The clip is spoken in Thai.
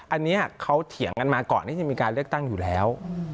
อันนี้เขาเถียงกันมาก่อนที่จะมีการเลือกตั้งอยู่แล้ว